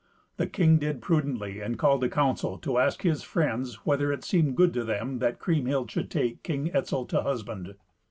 The king did prudently, and called a counsel, to ask his friends whether it seemed good to them that Kriemhild should take King Etzel to husband.